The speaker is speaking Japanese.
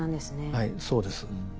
はいそうです。